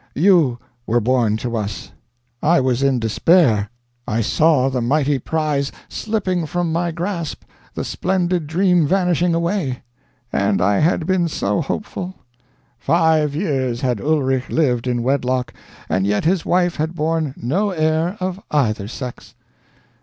You were born to us. I was in despair. I saw the mighty prize slipping from my grasp the splendid dream vanishing away! And I had been so hopeful! Five years had Ulrich lived in wedlock, and yet his wife had borne no heir of either sex.